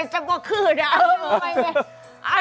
เออหมายความอ้าย